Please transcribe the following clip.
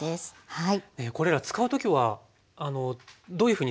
はい。